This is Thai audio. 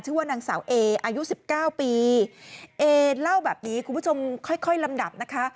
ที่ว่านางสาวเออายุ๑๙ปีเอเล่าแบบนี้คุณผู้ชมค่อยลำดับนะคะ